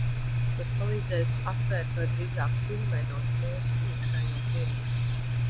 Tas palīdzēs atvērt vai drīzāk pilnveidot mūsu iekšējo tirgu.